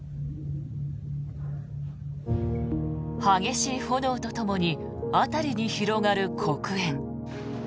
激しい炎とともに辺りに広がる黒煙。